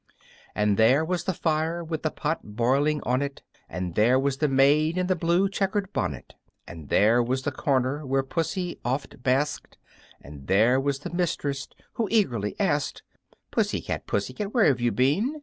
And there was the fire, with the pot boiling on it, And there was the maid, in the blue checkered bonnet, And there was the corner where Pussy oft basked, And there was the mistress, who eagerly asked: _"Pussy cat, Pussy cat, where have you been?"